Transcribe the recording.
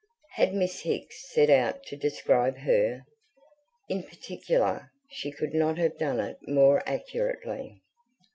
Had Miss Hicks set out to describe HER, in particular, she could not have done it more accurately.